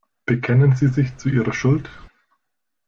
Bekennen Sie sich zu Ihrer Schuld?